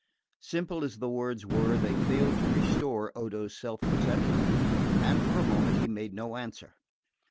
Simple as the words were, they failed to restore Odo's self possession, and for a moment he made no answer.